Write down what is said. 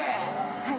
はい。